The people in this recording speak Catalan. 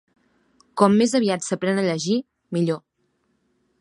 Com més aviat s'aprèn a llegir, millor.